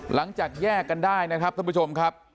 หลังจากแยกกันได้นะครับท่านผู้ชมครับ